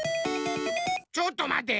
ちょっとまて。